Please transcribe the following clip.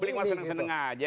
publik mah seneng seneng aja